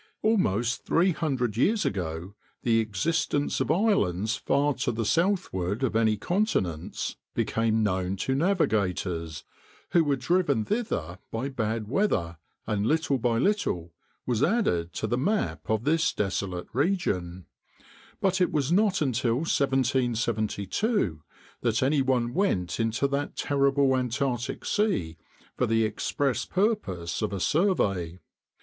] Almost three hundred years ago the existence of islands far to the southward of any continents became known to navigators, who were driven thither by bad weather, and little by little was added to the map of this desolate region; but it was not until 1772 that any one went into that terrible Antarctic sea for the express purpose of a survey.